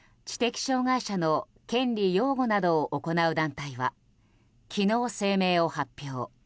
また、知的障害者の権利擁護などを行う団体は昨日、声明を発表。